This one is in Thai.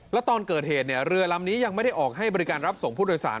แล้วตอนเกิดเหตุเรือลำนี้ยังไม่ได้ออกให้บริการรับส่งผู้โดยสาร